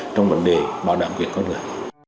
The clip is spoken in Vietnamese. trong vấn đề bảo đảm quyền con người